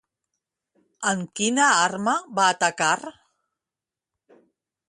Amb quina arma va atacar?